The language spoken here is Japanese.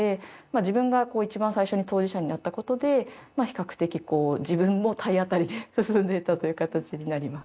自分が一番最初に当事者になった事で比較的自分も体当たりで進んでいったという形になります。